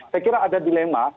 saya kira ada dilema